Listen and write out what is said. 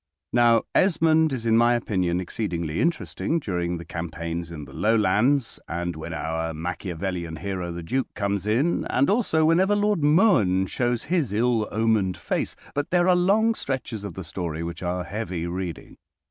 Now "Esmond" is, in my opinion, exceedingly interesting during the campaigns in the Lowlands, and when our Machiavelian hero, the Duke, comes in, and also whenever Lord Mohun shows his ill omened face; but there are long stretches of the story which are heavy reading.